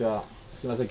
すみません